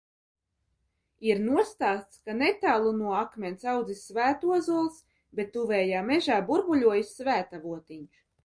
Ir nostāsts, ka netālu no akmens audzis svētozols, bet tuvējā mežā burbuļojis svētavotiņš.